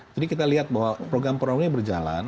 jadi kita lihat bahwa program programnya berjalan